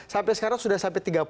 sampai sekarang sudah sampai tiga puluh